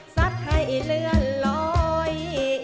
สัตว์ให้เลื่อนลอย